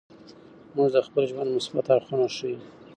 موږ د خپل ژوند مثبت اړخونه ښیو.